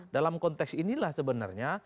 dalam konteks inilah sebenarnya